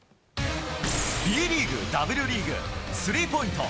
Ｂリーグ、Ｗリーグ、スリーポイント